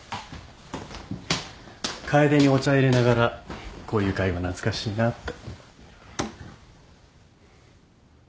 楓にお茶入れながらこういう会話懐かしいなって。